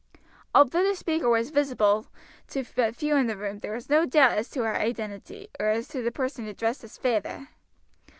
Although the speaker was visible to but few in the room there was no doubt as to her identity, or as to the person addressed as feyther.